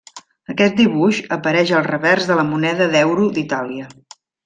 Aquest dibuix apareix al revers de la moneda d'euro d'Itàlia.